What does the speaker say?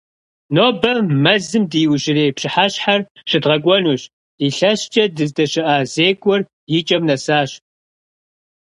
Нобэ мэзым ди иужьрей пщыхьэщхьэр щыдгъэкӏуэнущ, илъэскӀэ дыздэщыӀа зекӀуэр и кӏэм нэсащ.